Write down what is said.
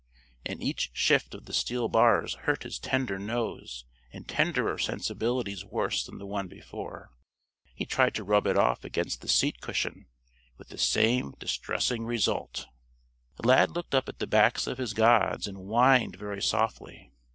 And each shift of the steel bars hurt his tender nose and tenderer sensibilities worse than the one before. He tried to rub it off against the seat cushion with the same distressing result. Lad looked up at the backs of his gods, and whined very softly.